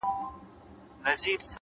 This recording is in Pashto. هره تجربه د ژوند نوی رنګ لري،